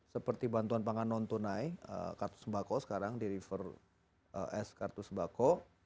seperti bantuan pangan non tunai kartu sembako sekarang di river s kartu sembako